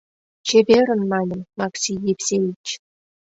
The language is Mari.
Чеверын, маньым, Макси Евсеич.